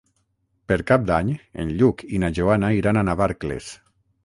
Per Cap d'Any en Lluc i na Joana iran a Navarcles.